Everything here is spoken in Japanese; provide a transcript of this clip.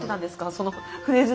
そのフレーズに。